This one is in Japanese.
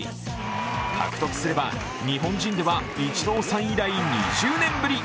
獲得すれば日本人ではイチローさん以来２０年ぶり。